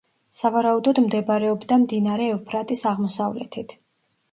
სავარაუდოდ მდებარეობდა მდინარე ევფრატის აღმოსავლეთით.